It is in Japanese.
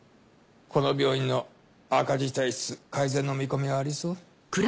この病院の赤字体質改善の見込みはありそう？